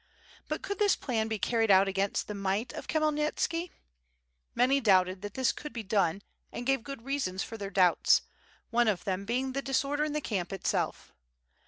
But could this plan be carried out against the might of Khmyelnitski? Many doubted that this could be done, and gave good reasons for their doubts, one of them being the disorder in the camp itself.